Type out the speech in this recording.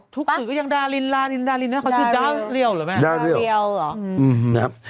ทุกสื่อก็ยังดารินดารินดารินนะ